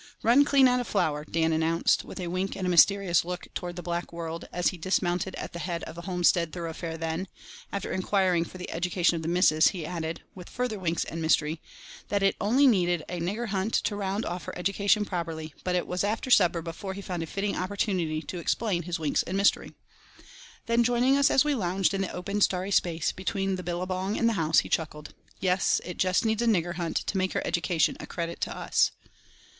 "Run clean out of flour," Dan announced, with a wink and a mysterious look towards the black world, as he dismounted at the head of the homestead thoroughfare then, after inquiring for the "education of the missus" he added, with further winks and mystery, that it only needed a nigger hunt to round off her education properly but it was after supper before he found a fitting opportunity to explain his winks and mystery. Then, joining us as we lounged in the open starry space between the billabong and the house, he chuckled: "Yes, it just needs a nigger hunt to make her education a credit to us."